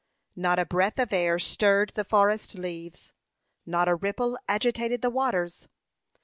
Not a breath of air stirred the forest leaves, not a ripple agitated the waters.